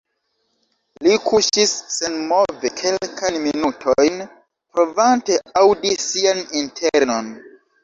Li kuŝis senmove kelkajn minutojn, provante aŭdi sian internon.